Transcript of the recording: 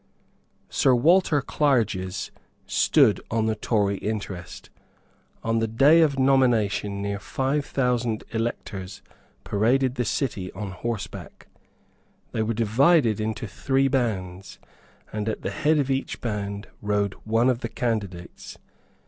Sir Walter Clarges stood on the Tory interest. On the day of nomination near five thousand electors paraded the streets on horseback. They were divided into three bands; and at the head of each band rode one of the candidates.